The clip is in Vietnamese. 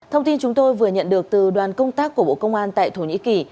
thông tin chúng tôi vừa nhận được từ đoàn công tác của bộ công an tại thổ nhĩ kỳ